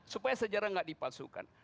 supaya sejarah nggak dipasukan